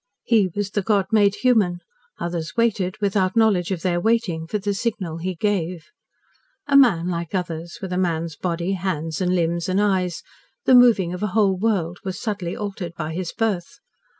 He was the God made human; others waited, without knowledge of their waiting, for the signal he gave. A man like others with man's body, hands, and limbs, and eyes the moving of a whole world was subtly altered by his birth.